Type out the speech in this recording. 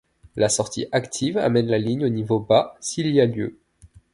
La sortie active amène la ligne au niveau bas, s'il y a lieu.